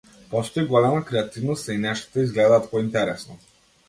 Постои голема креативност, а и нештата изгледаат поинтересно.